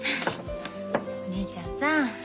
お姉ちゃんさ